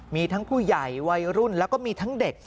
มีทั้งผู้ใหญ่วัยรุ่นแล้วก็มีทั้งเด็ก